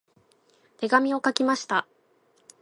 手紙を書きました。